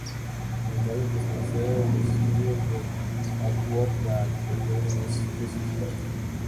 Sin embargo, tras conocer los estudios de Atwood la convirtió en una especie separada.